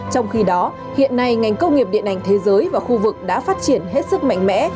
trong khi đó hiện nay ngành công nghiệp điện ảnh thế giới và khu vực đã phát triển hết sức mạnh mẽ